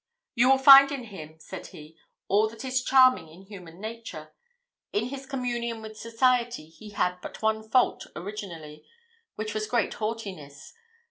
"You will find in him," said he, "all that is charming in human nature. In his communion with society, he had but one fault originally; which was great haughtiness.